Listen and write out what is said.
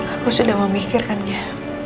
aku sudah memikirkannya